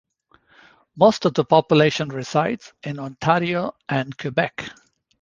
Most of the population resides in Ontario and Quebec.